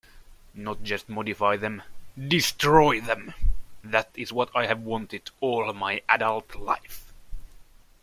Not just modify them-destroy them...That is what I have wanted all my adult life.